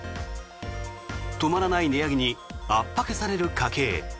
止まらない値上げに圧迫される家計。